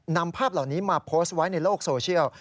นำภาพเหล่านี้มาโพสต์ไว้ในโลกโซเชียล